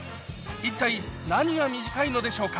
一体何が短いのでしょうか？